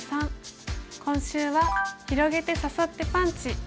今週は「広げて誘ってパンチ！」です。